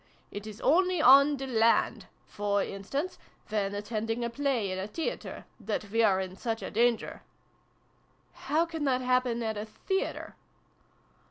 It is only on the land for in stance, when attending a play in a theatre that we are in such a danger. "How can that happen at a theatre